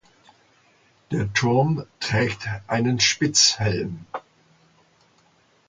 Der Turm trägt einen Spitzhelm.